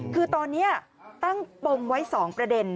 คือตอนนี้ตั้งปมไว้๒ประเด็น